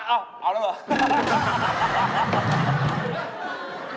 เอาแล้วเหรอ